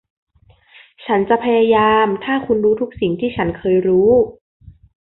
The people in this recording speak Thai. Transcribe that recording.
ฉันจะพยายามถ้าฉันรู้ทุกสิ่งที่ฉันเคยรู้